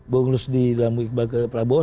mengurus di lembong susati iqbal ke prabowo